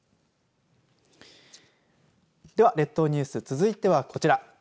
では列島ニュース続いてはこちら。